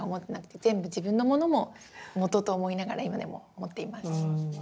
全部自分のものももとと思いながら今でも持っています。